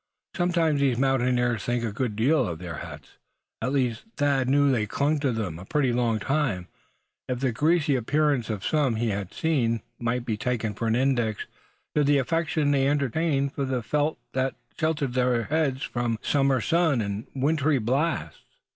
Sometimes these mountaineers think a good deal of the hats they wear; at least Thad knew they clung to them a pretty long time, if the greasy appearance of some he had seen might be taken for an index to the affection they entertained for the felt that sheltered their heads from the summer sun, and the wintry blasts.